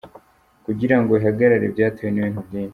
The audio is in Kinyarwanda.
Kugira ngo ihagarare byatewe n’ibintu byinshi.